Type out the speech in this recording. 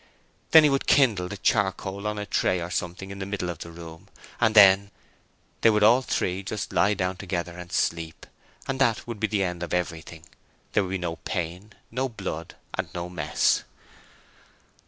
Then he would kindle the charcoal on a tray or something in the middle of the room, and then they would all three just lie down together and sleep; and that would be the end of everything. There would be no pain, no blood, and no mess.